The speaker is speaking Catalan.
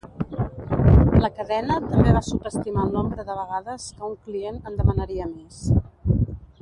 La cadena també va subestimar el nombre de vegades que un client en demanaria més.